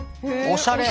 おしゃれ！